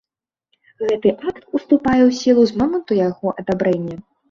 Гэты акт уступае ў сілу з моманту яго адабрэння.